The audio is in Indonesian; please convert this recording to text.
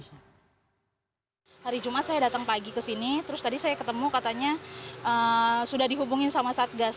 hari jumat saya datang pagi kesini terus tadi saya ketemu katanya sudah dihubungin sama satgas